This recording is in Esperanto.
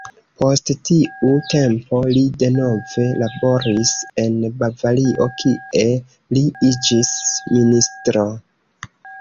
Post tiu tempo, li denove laboris en Bavario, kie li iĝis ministro.